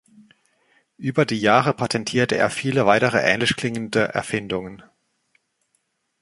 Über die Jahre patentierte er viele weitere ähnlich klingende Erfindungen.